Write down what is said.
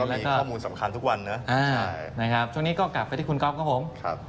มีข้อมูลสำคัญทุกวันนะนะครับช่วงนี้ก็กลับไปที่คุณก๊อฟครับผม